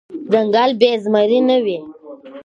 ځنګل بی زمري نه وي .